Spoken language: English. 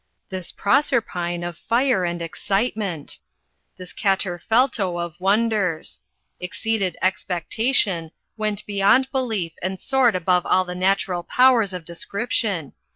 this Proserpine of fire and excitement! this Katterfelto of wonders! exceeded expectation, went beyond belief and soared above all the natural powers of description!